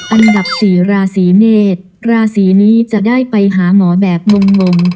อันดับสี่ราศีเมษราศีนี้จะได้ไปหาหมอแบบงง